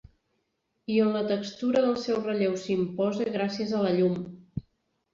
I on la textura del seu relleu s’imposa gràcies a la llum.